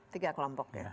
tiga kelompok ya